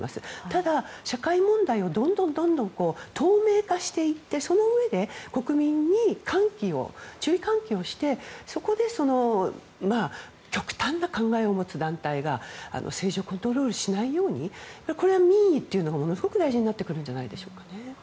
ただ、社会問題をどんどん透明化していってそのうえで国民に注意喚起をしてそこで、極端な考えを持つ団体が政治をコントロールしないように民意というものがものすごく大事になってくるんじゃないでしょうか。